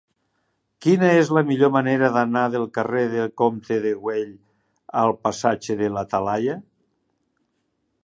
Quina és la millor manera d'anar del carrer del Comte de Güell al passatge de la Talaia?